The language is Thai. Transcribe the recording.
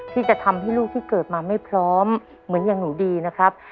ที่จะทำให้ลูกที่เกิดมาไม่พร้อมเหมือนอย่างหนูดีนะครับ